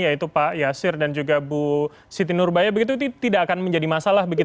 yaitu pak yasir dan juga bu siti nurbaya begitu itu tidak akan menjadi masalah